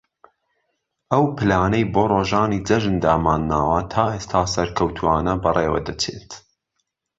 ئەو پلانەی بۆ رۆژانی جەژن دامانناوە تائێستا سەرکەوتووانە بەڕێوە دەچێت